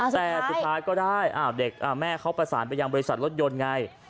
แต่สุดท้ายก็ได้เด็กแม่เขาประสานไปยังบริษัทรถยนต์ไง